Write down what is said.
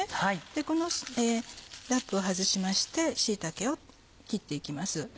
このラップを外しまして椎茸を切って行きます。